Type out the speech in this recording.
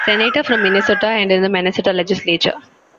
Senator from Minnesota and in the Minnesota Legislature.